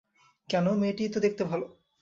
কেন, মেয়েটিকে তো দেখতে ভালো।